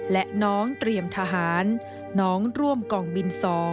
และน้องเตรียมทหารน้องร่วมกองบิน๒